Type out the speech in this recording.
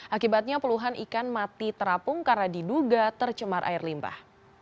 akibatnya puluhan ikan mati terapung karena diduga tercemar air limbah